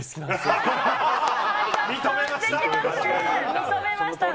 認めました。